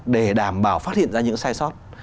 để đảm bảo phát hiện ra những sai sót